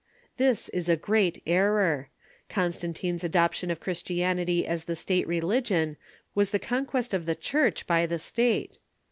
This is a great error. Constantine's adoption of Christianity as the State religion was the conquest of the Church by the State.